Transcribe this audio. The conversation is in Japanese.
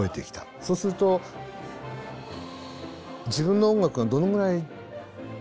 そうすると自分の音楽がどのぐらい通じるのかな？